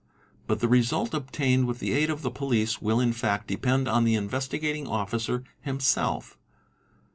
But the result obtained with the aid of the police will in fact depend on the Investigating Officer himself.